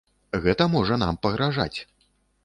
Гэта можа нам пагражаць.